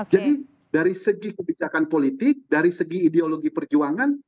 jadi dari segi kebijakan politik dari segi ideologi perjuangan